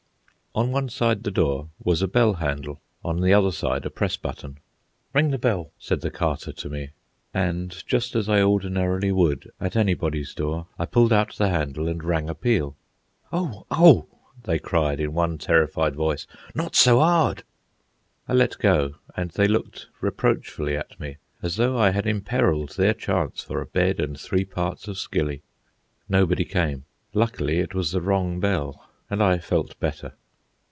On one side the door was a bell handle, on the other side a press button. "Ring the bell," said the Carter to me. And just as I ordinarily would at anybody's door, I pulled out the handle and rang a peal. "Oh! Oh!" they cried in one terrified voice. "Not so 'ard!" I let go, and they looked reproachfully at me, as though I had imperilled their chance for a bed and three parts of skilly. Nobody came. Luckily it was the wrong bell, and I felt better.